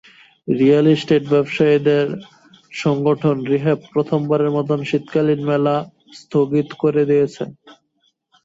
Real estate ব্যবসায়ীদের সংগঠন রিহ্যাব প্রথমবারের মতো শীতকালীন মেলা স্থগিত করে দিয়েছে।